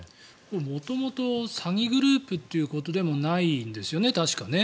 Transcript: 元々詐欺グループということでもないんですよね、確かね。